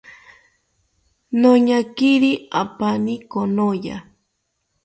Noñakiri apaani konoya